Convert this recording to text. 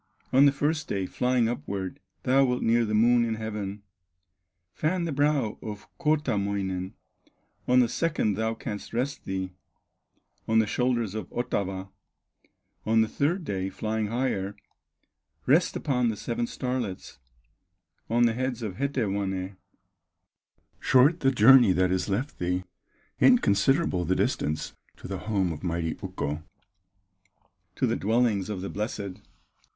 On the first day, flying upward, Thou wilt near the Moon in heaven, Fan the brow of Kootamoinen; On the second thou canst rest thee On the shoulders of Otava; On the third day, flying higher, Rest upon the seven starlets, On the heads of Hetewanè; Short the journey that is left thee, Inconsiderable the distance To the home of mighty Ukko, To the dwellings of the blessed."